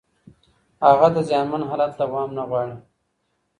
هغه د زیانمن حالت دوام نه غواړي.